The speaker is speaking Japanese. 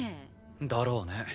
だろうね。